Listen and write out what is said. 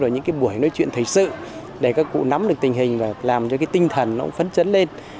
những buổi nói chuyện thầy sự để các cụ nắm được tình hình và làm cho tinh thần phấn chấn lên